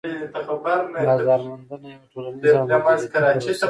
بازار موندنه یوه ټولنيزه او دمدریتی پروسه ده